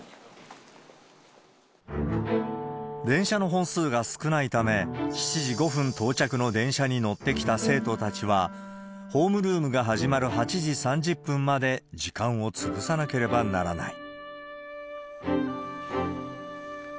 電車の本数が少ないため、７時５分到着の電車に乗ってきた生徒たちは、ホームルームが始まる８時３０分まで時間を潰さなければならない。